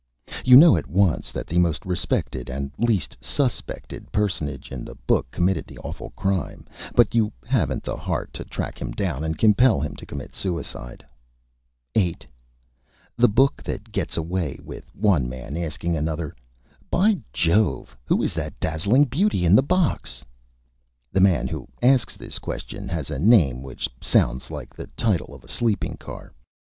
You know at once that the most Respected and least _sus_pected Personage in the Book committed the awful Crime, but you haven't the Heart to Track him down and compel him to commit Suicide. 8. The Book that gets away with one Man asking another: "By Jove, who is that Dazzling Beauty in the Box?" The Man who asks this Question has a Name which sounds like the Title of a Sleeping Car.